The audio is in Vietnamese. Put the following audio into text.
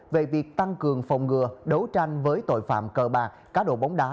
về việc tăng cường phòng ngừa đấu tranh với tội phạm cờ bạc cá độ bóng đá